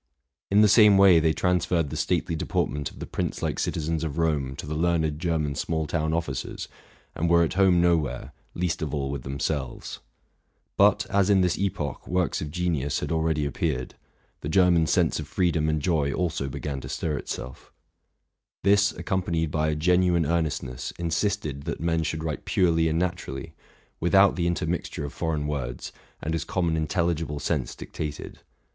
In the same way they transferred the stately deportment of the prince like citizens of Rome to the learned German small town officers, and were at home nowhere, least of all with themselves. But as in this epoch works of genius had already appeared, RELATING TO MY LIFE. 215 the German sense of freedom and joy also began to stir it self. This, accompanied by a genuine earnestness, insisted that men should write purely and naturally, without the inter mixture of foreign words, and as common intelligible sense dictated.